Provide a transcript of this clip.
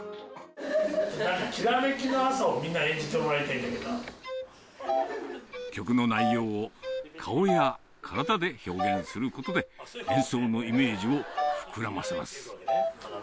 煌めきの朝をみんな演じても曲の内容を顔や体で表現することで、演奏のイメージを膨らませます。